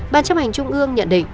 ban chấp hành trung ương nhận định